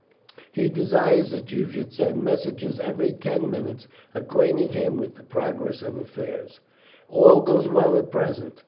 He desires that you should send messengers every ten minutes acquainting him with the progress of affairs." "All goes well at present.